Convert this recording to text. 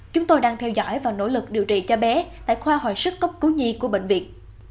chúng tôi đang theo dõi và nỗ lực điều trị cho bé tại khoa hồi sức cấp cứu nhi của bệnh viện